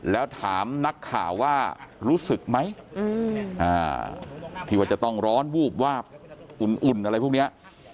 แล้วถามนักข่าวว่ารู้สึกไหมที่ว่าจะต้องร้อนวูบวาบอุ่นอะไรพวกนี้